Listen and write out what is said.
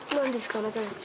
あなたたち。